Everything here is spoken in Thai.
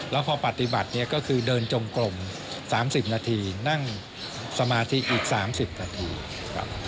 แล้วพอปฏิบัติเนี่ยก็คือเดินจงกลม๓๐นาทีนั่งสมาธิอีก๓๐นาทีครับ